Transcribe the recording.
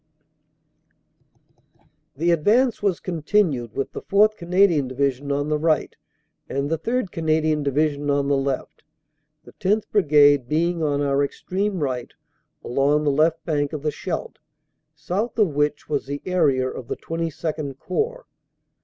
The advance was continued with the 4th. Canadian Divi sion on the right and the 3rd. Canadian Division on the left, the 10th. Brigade being on our extreme right, along the left bank of the Scheldt, south of which was the area of the XXII Corps.